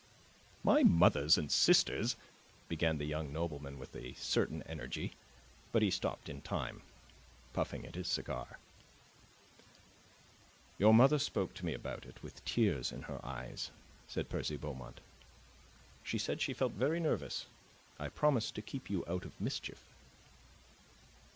"My mother and sisters " began the young nobleman with a certain energy. But he stopped in time, puffing at his cigar. "Your mother spoke to me about it, with tears in her eyes," said Percy Beaumont. "She said she felt very nervous. I promised to keep you out of mischief."